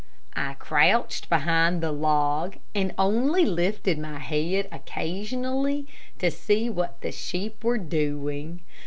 I crouched behind the log, and only lifted my head occasionally to see what the sheep were doing.